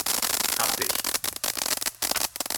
Hab dich!